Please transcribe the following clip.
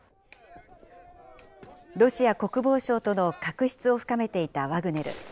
ロシア国防省との確執を深めていたワグネル。